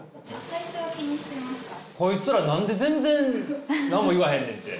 こいつら何で全然何も言わへんねんって？